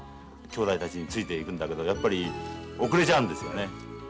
兄弟たちについていくんだけどやっぱり後れちゃうんですよね。